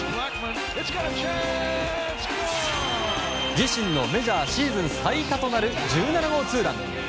自身のメジャーシーズン最多となる１７号ツーラン！